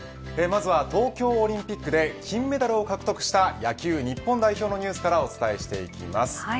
まずは東京オリンピックで金メダルを獲得した野球、日本代表のニュースからお伝えしていきます。